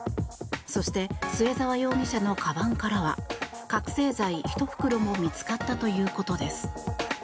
そして末澤容疑者のかばんからは覚醒剤１袋も見つかったということです。